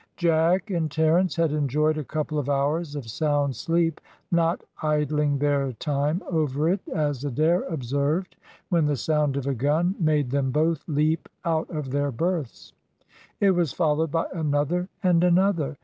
Jack and Terence had enjoyed a couple of hours of sound sleep, "not idling their time over it," as Adair observed, when the sound of a gun made them both leap out of their berths. It was followed by another and another.